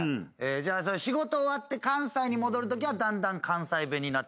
じゃあ仕事終わって関西に戻るときはだんだん関西弁になっちゃうってこと？